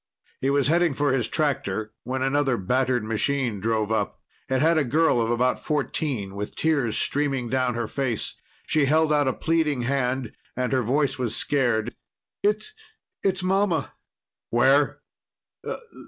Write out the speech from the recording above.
He was heading for his tractor when another battered machine drove up. It had a girl of about fourteen, with tears streaming down her face. She held out a pleading hand, and her voice was scared. "It's it's mama!" "Where?"